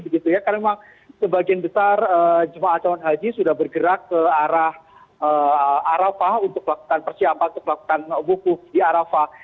karena memang sebagian besar jemaah cawan haji sudah bergerak ke arah arafah untuk melakukan persiapan untuk melakukan buku di arafah